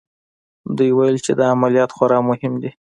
دوی ویل چې دا عملیات خورا مهم دی